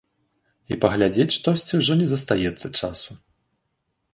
І паглядзець штосьці ўжо не застаецца часу.